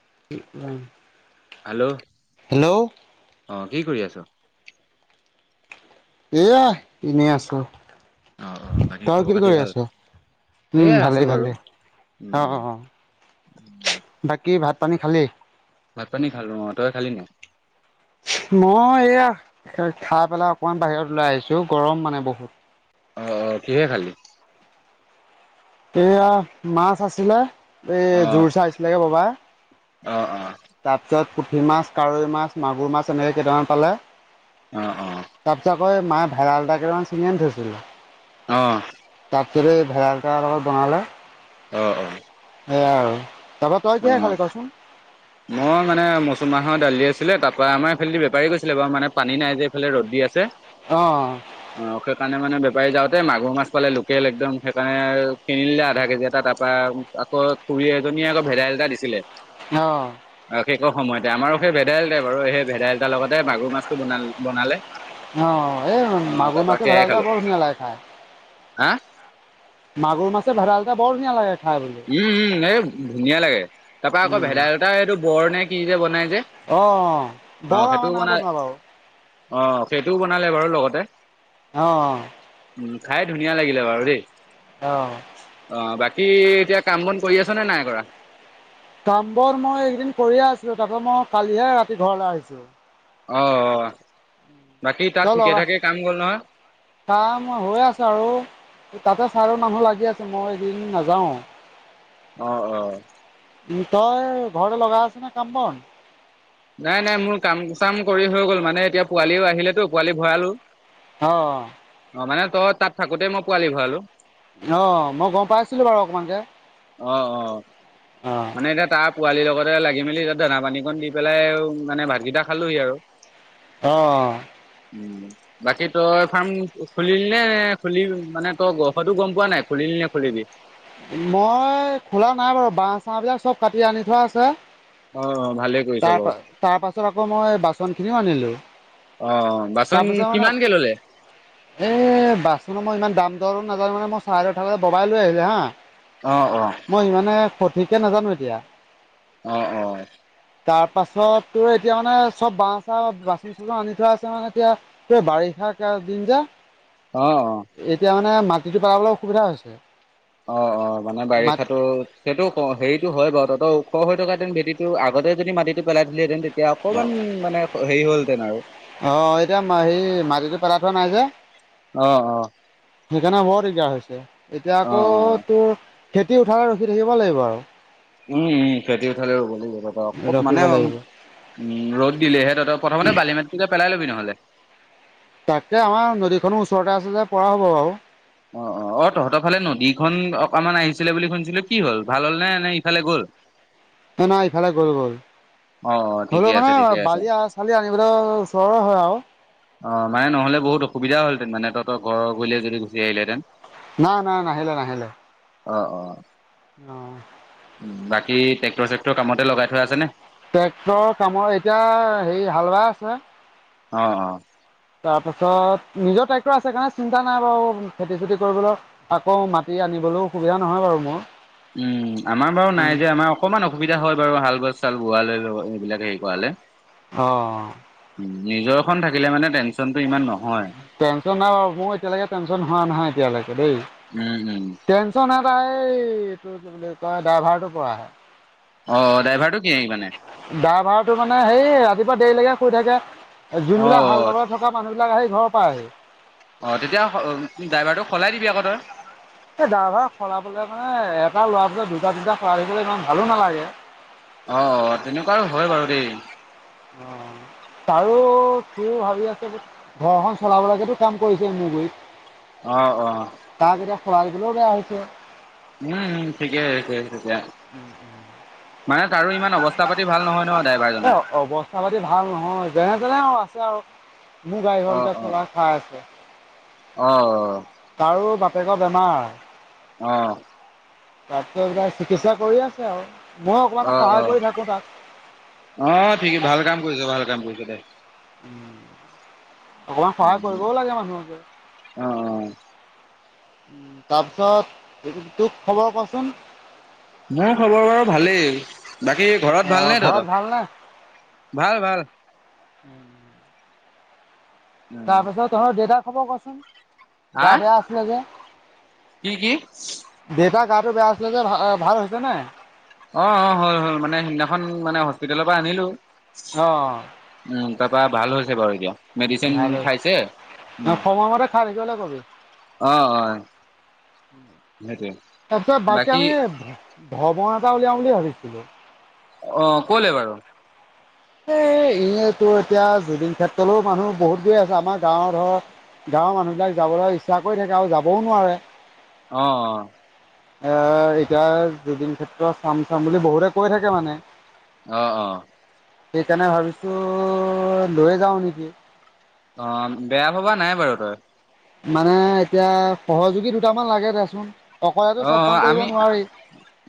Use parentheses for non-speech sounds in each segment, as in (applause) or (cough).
(unintelligible) Hello hello অ কি কৰি আছো? এয়া এনেই আছো। অ অ। বাকী তই কি খবৰ খাতি কৰি আছ? ভাল? উম এয়া আছো ভালেই বাৰু ভালেই উম উম অ' বাকী ভাত পানী খালী? ভাত পানী খালো অ' তই খালি ন' মই এইয়া খাই পেলাই অকমান বাহিৰত ওলাই আহিছো গৰম মানে বহুত, অ অ কিহে খালি? এয়া মাছ আছিলে। এই অ জোৰ চাৰছিলেগে ববা অ অ তাৰপিছত, পুঠি মাছ কাৱৈ মাছ মাগুৰ মাছ এনেকৈ কেইটামান পালে, অ অ মই মা ভেডাল কেইটামান চিঙি আনি থৈছিলো। আহ আৰে ভেদাইলট লগত বনালে অ সেয়াই আৰু তাৰপৰা তই অ' কিহে খালি মই কচোন? মানে (unintelligible) অ' দালি আছিলে, তাৰপৰা আমাৰ সেইফালেদি বেপাৰী গৈছিলে বাৰু, মানে পানী নাই যে এইফালে ৰ'দ দি আছে। অ অ' সেইকাৰণে মানে পাৰী যাওঁতে, মাগুৰ মাছ পালে লোকেল একদম সেইকাৰণে কিনি ললে আধা কেজি এটা। তাৰপৰা আকৌ খুৰী এজনীয়ে আকৌ ভেদাইলতা দিছিলে অ'। বিশেষ সময়তে আমাৰো সেই ভেদাইলতাই বাৰু সেই ভেদাইলতাৰ লগতে মাগুৰ মাছটো বন বনালে অ' এই অ মাগুৰ তাৰপা মাছে (unintelligible) সেয়াই খালো বৰ ধুনীয়া লাগে খায়। হা? মাগুৰ মাছে ভেদাইলতা বৰ ধুনীয়া লাগে খাই বুলি উম উম, এই ধুনীয়া লাগে। তাৰপা আকৌ উম ভেদাইলতা এইটো বৰ নে কি যে বনাই। যে অ অ বৰ সেইটোও আমাৰ না বনাই বনোৱা বাৰু অ' সেইটোও বনালে বাৰু লগতে। অ' অ'। খাই ধুনীয়া লাগিলে বাৰু দেই। অ'। অ বাকী, এতিয়া কাম বন কৰি আছ নে নাই কৰা? কাম বন মই এইকেইদিন কৰিয়ে আছিলো তাৰপাছত মই কালিহে ৰাতি ঘৰলে আহিছো অ' অ'। বাকী ত তাত ঠিকে লগা থাকে কাম গ'ল নহয় কাম হৈ আছো আৰু তাতে চাৰ মানুহ লাগি আছে, মই এইকেইদিন নাযাও। অ' অ'। তই ঘৰতে লগাই আছ নে কাম-বন। নাই নাই, মোৰ কাম চাম কৰি হৈ গ'ল মানে এতিয়া পোৱালিও আহিলেতো পোৱালি ভৰালো। অ' অ। অ' মানে তই তাত থাকোতেই মই পোৱালি ভৰালো। অ' মই গম পাইছিলো বাৰু অকমানকে। অ' অ' অ' মানে, এতিয়া তাৰ পোৱালিৰ লগতে লাগি মেলি তাত দানা পানী কণ দি পেলাই মানে ভাতকেইটা খালোহি আৰু অহ উ বাকী তই ফাৰ্ম খুলিলিলে খুলি মানে তই গ হয়তো গম পোৱা নাই খুলিল লে খুলিবি। মই খোলা নাই বাৰু, বাহ চাহবিলাক চব কাটি আনি থোৱা আছে। অ', অ', ভালে কৰিছ তাৰ বাৰু পা তাৰ পাছত আকৌ মই বাচন খিনিও আনিলো। অ', বাচন তাৰপিছত মানে কিমানকে ল'লে? এ বাচনৰ মই ইমান দাম দৰ নাজানো মানে মই চাইডত থাকতে ববাই লৈ আহিলে হা। অ অহ। সঠিকে নাজানো এতিয়া। অ অ। তাৰ পাছত তোৰ এতিয়া মানে চব বাঁহ চাহ বাচন চাচন আনি থোৱা আছে মানে এতিয়া তোৰ বাৰিষা কেয়া দিন যে। অ অ এতিয়া মানে মাটিটো পেলাবলে অসুবিধা হৈছে। অ অ মানে মাত বাৰিষাটো সেইটো হেৰিতো হয় বাৰু তাতো খ হৈ থকাতিন ভেটিটো আগতে যদি মাটিটো পেলাই থলিহেতেন অ অহ এতিয়া সেই মাটিটো পেলা থোৱা নাই যে। অ অ। সেইকাৰণে বৰ দিগদাৰ হৈছে এতিয়া অ', আকৌ অ', তোৰ খেতি উঠালে ৰখি থাকিব লাগিব আৰু। উম উম খেতি উঠালে ৰব লাগিব। অত ৰখিব মানে উম, লাগিব ৰ'দ দিলে সিহঁতৰ প্ৰথমতে বালিমাতটো পেলাই ল'বি নহ'লে। তাকে আমাৰ নদীখনো ওচৰতে আছে যে পৰা হ'ব বাৰু। অ', অ, অ', তহঁতৰ ফালে নদীখন অ, অকমান আহিছিলে বুলি শুনিছিলো কি হ'ল ভাল হ'ল নে নে ইফালে গ'ল। নাই এইফালে গল গল, অ অ ঠিকে হ'লেও মানে আছে ঠিকে আছে বালি চালি আনিবলৈ ওচৰৰে হয় আৰু, অ' মানেহলে বহুত অসুবিধ হলহঁতে মান তহত ঘৰ গৈলে যদি গুচ আহিলহেতেন না-না নাহিলে- নাহিলে অ' অ' অ' বাকী ট্ৰেক্টৰ চেক্টৰ কামতে লগাই থৈ আছেনে? ট্ৰেক্টৰৰ কামৰ এতিয়া হেৰি হালবাই আছে। অ অ তাৰপাছত নিজৰ, আছে কাৰণে চিন্তা নাই বাৰু খেতি চেতি কৰিবলৈ আকৌ মাটি আনিবলৈও সুবিধা নহয় বাৰু মোৰ উম, আমাৰ বাৰু নাই যে আমাৰ অকণমান অসুবিধা হয় বাৰু হাল বছ বোৱাালৈ এইবিলাক হেৰি কৰালে, আহ নিজৰ খ থাকিলে মানে ন' টেনচন নাই বাৰু মোৰ এতিয়ালৈকে টেনচন হোৱা নহাই এতিয়ালৈকে দেই। উম উম। টেনচন এটা এই এইটো কি বুলি কয় ড্ৰাইভাৰটো কুৱা। অ, ড্ৰাইভাৰটো কি মানে গা ভাড়টো মানে সেই ৰাতিপুৱা দেৰিলৈকে শুই থাকে। অ যোনবিলাক অ হাল বাগ থকা মানুহ বিলাক আহি ঘৰৰ পৰা আহি, অ', তেতিয়া ড্ৰাইভাৰটো সলাই দিবি আকৌ তই। এই দা ভা খলাবলে মানে লোৱা পিছত দুটা, তিনটা সলাই থাকিবলৈ ইমান ভালো নালাগে। অ', তেনেকুৱা হয়, বাৰু দেই। অ'তাৰো হি ভাবি আছে ঘৰখন চলাবলকেতো কাম কৰিছে মোৰ গুৰিত। অ', অ'। পাৰিকলৈ বেয়া হৈছে উম, উম, ঠিকে (unintelligible) উম, উম। ইমান অৱস্থা পাতি ভাল নহয় ন এ, ড্ৰাইভাৰজনৰ অৱস্থা পাতি ভাল নহয়। যেনে-তেনে আৰু আছে আৰু মোৰ অ গাড়ীখনকে অ চলাই খাই আছে, অ তাৰো বাপ বাপেকৰ বেমাৰ আহ'। তাতকে এইাক চিকিৎসা কৰি আছে আৰু। মই অকমান হয়, সহায় কৰি থাকোঁ তাক। হয়। ঠিকেই ভাল কাম কৰিছ, ভাল কাম কৰিছ দে অকমান সহায় কৰিবও লাগে মানুহ যে। অ', অ'। উম, তাৰপিছত তোক খবৰ কচোন? মোৰ খবৰ বাৰু ভালেই। বাকী ঘৰত ভালনে ঘৰত তহঁত? ভালনে? ভাল, ভাল। উম। তাৰপিছত তঁহত দেতাৰ খবৰ কচোন, হা গা বেয়া আছিলে যে? কি, কি? টো বেয়া আছিলে যে ভাল হৈছে নে? অ' অ' হল, হল। মানে সিদিনাখন মানে হস্পিতেলৰ পৰা আনিলো হ। তাপা ভাল হৈছে বাৰু এতিয়া মেডিচিন ভালে খাইছে। উম। সময়মতে খাই থাকিবলৈ কবি অ অ সেইটোৱে তাৰপিছত বাকী আমি ভ ভ ভ ভৱা এটা উলিয়াও বুলি ভাবিছিলো। অ ক'লে বাৰু? এ, এই এটো এতিয়া জুবিন ক্ষেত্ৰলৈও মানুহ বহুত গৈ আছে আমাৰ গাঁৱৰ ধৰক গাঁৱৰ মানুহবলাক যাবলৈ ইচ্ছা কৰি থাকে আৰু যাবও নোৱাৰে। অ' এ এতিয়া জদিন ক্ষেত্ৰ চাম চাম বুলি বহুতে কৈ থাকে মানে। অ' অ' সেইকাৰণে ভাবিছো লৈয়ে যাও নেকি। অ'বেয়া ভবা নাই বাৰু তই। মানে এতিয়া সহযোগী দুটামান লাগে দেচোন। অকলেতো অ' চব কাম অ' কৰিব আমি নোৱাৰি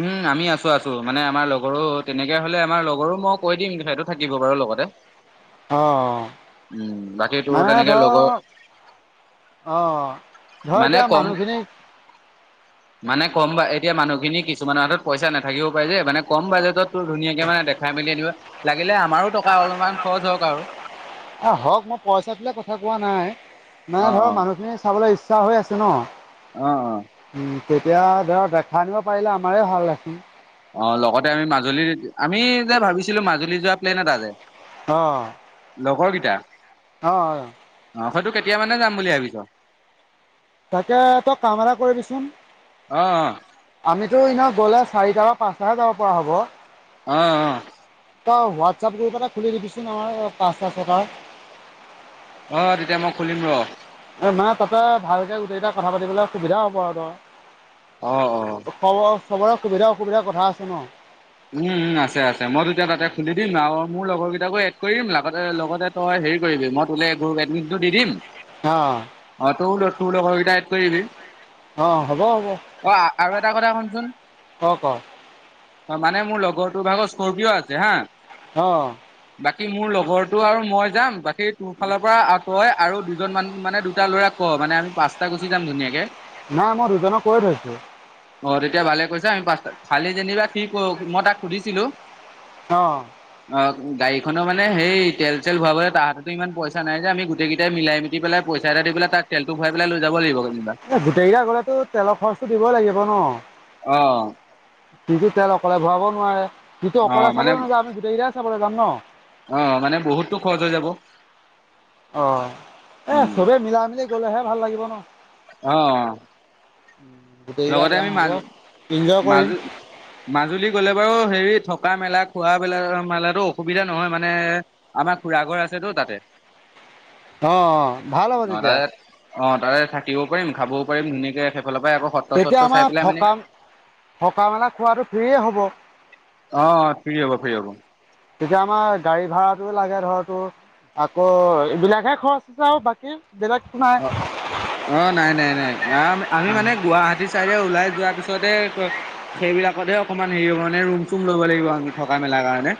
উম, আমি আছো আছো মানে আমাৰ লগৰো তেনেকে হলে আমাৰ লগৰো মই কৈ দিম সেইটো থাকিব বাৰু লগতে। অ'। উম। বাকী তোৰ মানে তেনেকে ধৰ লগৰ অ' ধৰ মানে এতিয়া কম মানুহখিনিক মানে কম বা এতিয়া মানুহখিনিক কিছুমানৰ হাতত পইা নাথাকিব পাৰে যে মানে কম বাজেটতো ধুনীয়াকে মানেখাই মেলিনিব লাগ লাগিলে আমাৰো টকা অলপমান খৰচ হওক আৰু। এ হওক মই পইচা তোলে কথা কোৱা নাই। মানে অ ধৰ অ মানুহখিনি চাবলৈ ইচ্ছা হৈ আছে (inaudible) অ' অ' উম তেতিয়া ধৰক দেখা আনিব পাৰিলে আমাৰে ভাল (unintelligible) অ' লগতে আমি মাজুলীৰ আমি যে ভাবিছিলো মাজুলী যোৱা প্লেন এটা অ' লগৰকেইটা। অ' হয়। অ', হয়তো কেতিয়া মানে যাম বুলি ভাবিছ। তাকে তই কাম এটা কৰিবিচোন অ', আমি (unintelligible) ইনা গ'লে চাৰিটাাৰ বা পাঁচটাে যাব পৰা হ'ব। অ' অ' তই হোৱাটছআপ গ্ৰুপ এটা খুলি দিবিচোন নহ পাঁচটা ছটাৰ। অ' তেতিয়া মই খুলিম ৰ। (unintelligible) তাতে ভালকে গোটেইটা কথা পাতিবলৈ সুবিধা হ'ব আৰু ত অ' অ' চবৰে সুবিধা অসুবিধাৰ কথা আছে ন। উম উম আছে আছে মইোতিয়া তাতে খুলি দিম আৰু মোৰ লগৰ কেইটাকো কৰিমতে লগতে তই হেৰি কৰিবি মই তোলে গৰুক এডমিশনটো দি দিম। অ', অ' (unintelligible) তোৰ লগৰকেইটাক এড কৰিব অ', হ'ব হ'ব অ' আৰু এটা কথা শুনচোন। ক ক হয় মানে মোৰ লগৰটোৰ ভাগত স্কৰ্পিঅ আছে হা। অ' বাকী মোৰ লগৰটো আৰু মই যাম বাকী তোৰ ফালৰ পৰা আ তই আৰু দুজন মান মানে দুটা ল'ৰাক কওঁ মানে আমি পাঁচটা গুচি যাম ধুনীয়াকে। নাই মই দুজনক কৈ থৈছো অ' তেতিয়া ভালে কৈছা আমি পাঁচটাত খালি যেনিবা কি কৰ মই তাক সুধিছিলো অ'। অ গাড়ীখনৰ মানে সেই তেল-তেল ভুৱব তাহাঁতো ইমান পইচা নাই যে আমি গোটেইকেইট মিলাই মতি পেলাই পইচা দি পাই ত তেলটো ভৰাইেলাই লৈ যাব লাগিব যেনিবা। এ গোটেইকেইটা গলেতো তেলৰ খৰচটো দিবই লাগিব ন' অ' সিটো তেল অকলে ভৰাব নোৱাৰে সটো অ অকলে মানে চাবলৈ নাযায় আমি গোটেইকেইটাই চাবলৈ যাম ন। অ' মানে বহুতো খৰচ হৈ যাব অ এ উম। চবে মিলা মিলি গলেহে ভাল লাগিব ন। অ'। গোটেইকেইটা লগতে যাম আমি হ'ব। ইনজয় কৰিম মাজ-মাজ-মাজুলী গ'লে বাৰু হেৰি থকা মেলা খোৱা বেলা মেলাতো অসুবিধা নহয় মানে আমাৰ খুৰা ঘৰ আছেতো তাতে। অ', অ', ভাল হ'ব অ তেতিয়া। তাতে অ', তাৰে থাকিবও পাৰিম, খাবও পাৰিম, ধুনীয়াকে এক সেইফালৰ পৰাই আকৌ সত্ৰ তেতিয়া চত্ৰ চাই আমাৰ পেলাই মানে থকা-থকা, মেলা, খোৱাটো ফ্ৰিয়েই হ'ব? অ', ফ্ৰী হ'ব, ফ্ৰী হ'ব। তেতিয়া আমাৰ গাড়ী ভাড়াটোও লাগে ধৰ তোৰ আকৌ এইবিলাকহে খৰচ আছে আৰু বাকী অ তোমাৰ অ নাই নাই নাই আমি মানে গুৱাহাটী চাইডে ওলাই যোৱাৰ পিছতে। সেইবিলাকতহে অকনমান হেৰি হ'ব মানে ৰুম, চুম ল'ব লাগিব আমি থকা, মেলা কাৰণে।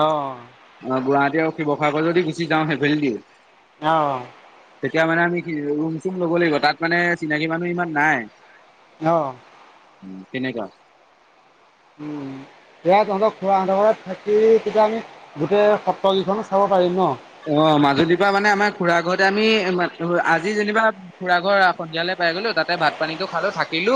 আহ অ গুৱাহাটী আৰু শিৱসাগৰ যদি গুচি যাওঁ সেইফাল দি- অ'। তেতিয়া মানে আমি ৰুম চুম ল'ব লাগিব তাত মানে চিনাকি মানুহ ইমান নাই অ'। উম তেনেকুৱা উম এয়া তহঁতক খুৰা আধ ঘত থাকি তেতিয়া আমি গোটেই সত্ৰকেইখনো চাব পাৰিম ন অ' মাজুলীৰ পৰা মানে আমাৰ খুৰা ঘৰতে আমি আজি যেনিবা খুৰা ঘৰ সন্ধিয়ালে পাই গলো তাতে ভাত পানীটো খালো থাকিলো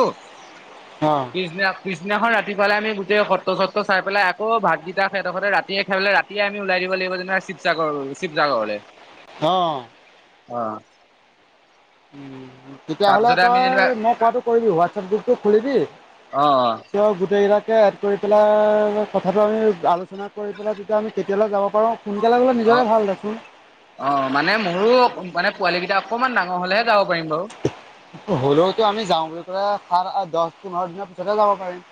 অ', পিছদিনা পিছদিনাখন ৰাতিপুৱালে আমি গোটে সত্ৰ চত্ৰ চাই পেলাই আকৌ ভাতকেইটা সেত ঘৰতে ৰাতিয়ে খাইে পেলে ৰাতিয়ে আমি ওলাই দিম। (unintelligible) শিৱসাগৰ (unintelligible) অ' অ'। তেতিয়াহ'লে তাৰপিছতে আমি যেনিবা তই মই কোৱাটো কৰিবি হোৱাটছএপ গ্ৰুপটো খুলিবি। অ সিহঁত গোটেইকিতাকে কৰি পেলাই কথাটো আমি আলোচনা কৰি পেলাই তেতিয়া আমি কেতিয়ালৈ যাব পাৰোঁ সোনকালে গ'লে নিজৰে অ- ভাল দেচোন। অ মানে মোৰো মানে পোৱালি কেইটা অকমান ডাঙৰ হলেহে যাওঁ হলেওতো আমি যাওঁ বুলি কলোৰ দহ পোন্ধৰ দিনৰ পিছতেহে যাব পাৰিম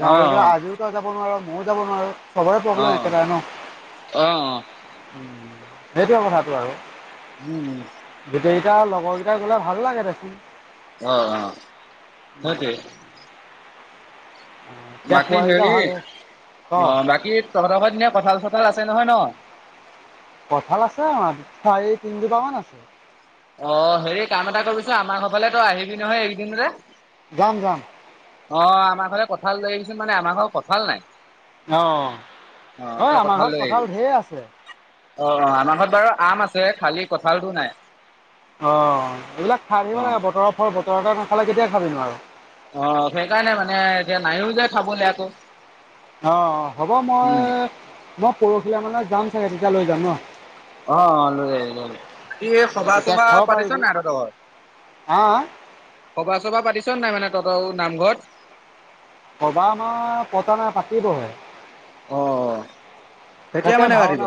যাওঁ অ বুলি কলে আজিও তই যাব নোৱাৰ, মইও যাব নোৱাৰো। খবৰে অ প্ৰব্লেম একেটাৰে ন অ অ সেইটোৱে কথাটো আৰু উম উম গোটেইকেইটা লগৰকেইটা গ'লে ভাল লাগে দেচোন। অ' অ' হুম হুম! এতিয়া বাকী, পোৱালিকেইটা হেৰি ভাল হয় ক অ' বাকী তহত ঘৰ পিনে কঁঠাল-চঠাল আছে। আছে নহয় ন? কঁঠাল আছে আমাৰ তিনি জোপা মান আছে অ হেৰি কাম এটা কৰিবছোন আমাৰ ঘৰফালে তো আহিবি নহয় এইকেইদিনৰে। যাম যাম। অ' আমাৰ ঘতে কঁঠাল ল আহিবিচোন মানে আমাৰ ঘৰত কঁঠাল নাই অ' ঐ তই আমাৰ ঘৰত লৈ আহিবি। কঁঠাল ধেইৰ আছে। অ' অ' আমাৰ ঘৰত বাৰু আম আছে, খালী কঁঠালটো নাই। অ' এইবিলাক খাই থাকিব অ', লাগে, বতৰৰ ফল বতৰতে নাখালে কেতিয়া খাবিনো আৰু। অ' সেইকাৰণে মানে এ নাইও যায় খাবলৈ আকৌ। অ' হ'ব উম, মই-মই পৰহিলে মানে যাম চাগে তেতিয়া লৈ যাম ন। অ' লৈ অহ লৈ ই সভা তেতিয়া চভা খাব পাতিছে পাৰিবি নাই তহত, হা সভা চবা পাতিছো নাই মানে তহতৰ নামঘৰত সভা আমাৰ পতা নাই পাতিবহে। অ' কেতিয়া তাকে মানে পতিব? ভাওনা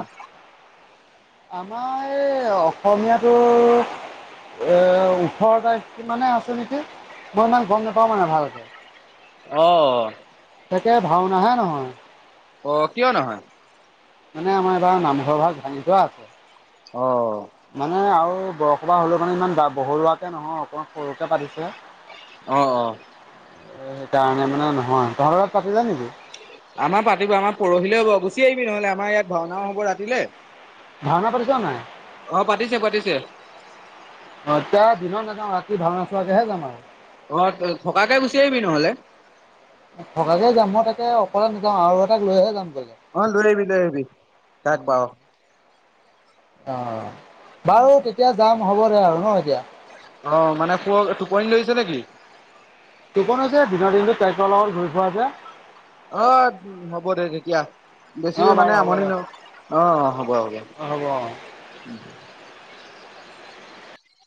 আমাৰ এই অসমীয়াটোৰ এ ওঠৰ তাৰিখ মানে আছে নেকি মই ইমান গম নাপাও মানে ভালকে। অহ ভাওনাহে নহয়। অ' কিয় নহয়? মানে আমাৰ এইবাৰ নামঘৰ ভাগ ভাঙি থোৱা আছে। অ বৰ সভা হ'লেও মানে ইমান বা বহৰুৱাকে নহয় অকণমান সৰুকে পাতিছে। অ', অ'। সেইকাৰণে মানে নহয় তহঁতৰ পাতিছে নেকি? আমাৰ পাতিব আমাৰ পৰহিলে হ'ব গুচি আহিবি নহলে আমাৰ ইয়াত ভাওনাও হব ৰাতিলে, ভাওনা পাতিছে নাই? অহ, পাতিছে-পাতিছে। অ এতিয়া দিনত নাযাওঁ ৰাতি ভাওনা চোৱাকেহে যাম আৰু। অ' থকাকে গুচি আহিবি নহলে। ভগাকে যাম মই তাকে অকলে নাযাওঁ আৰু এ তাক লৈহে যাম। গ'লে অ লৈ আহিবি লৈ আহিবি তাক পাও, অ, বাৰু তেতিয়া যাম হ'ব দে আৰু ন এতিয়া। অ মানে শু টোপনি ধৰিছে নেকি? কোন হৈছে দিনৰ দিনটো ঘূৰি ফুৰা যে, অ হ'ব দে তেতিয়া, অঁ বেছিকে মানে বাৰু হ'ব আমনি দে নও অ' হ'ব-হ'ব। অঁ হ'ব অঁ